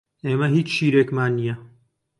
ئێمە هیچ شیرێکمان نییە.